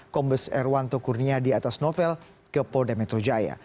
kombes erwanto kurnia di atas novel kepo demetro jaya